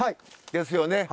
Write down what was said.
ですよね。